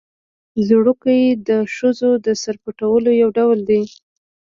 ځړوکی د ښځو د سر پټولو یو ډول دی